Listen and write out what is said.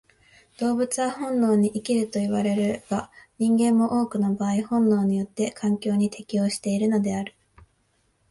動物は本能に生きるといわれるが、人間も多くの場合本能によって環境に適応しているのである。